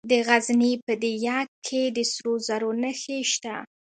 د غزني په ده یک کې د سرو زرو نښې شته.